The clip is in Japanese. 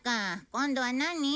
今度は何？